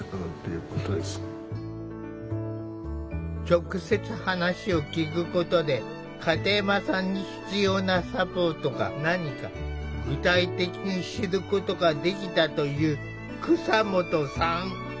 直接話を聞くことで片山さんに必要なサポートが何か具体的に知ることができたという蒼下さん。